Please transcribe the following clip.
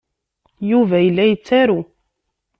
Yuba yella yettaru.